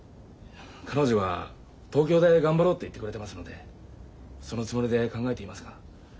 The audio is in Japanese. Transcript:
彼女が東京で頑張ろうって言ってくれてますのでそのつもりで考えていますが。